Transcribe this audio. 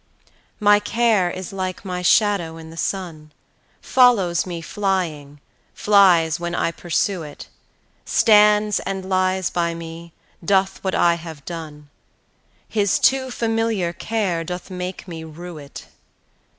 My care is like my shadow in the sun— Follows me flying, flies when I pursue it, Stands, and lies by me, doth what I have done; His too familiar care doth make me rue it.